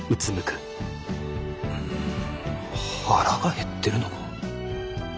うん腹が減ってるのか？